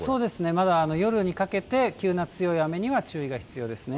まだまだ夜にかけて、急な強い雨には注意が必要ですね。